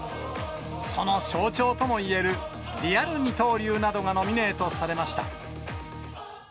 その象徴ともいえるリアル二刀流などがノミネートされました。